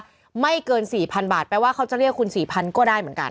ถ้าไม่เกิน๔๐๐บาทแปลว่าเขาจะเรียกคุณ๔๐๐ก็ได้เหมือนกัน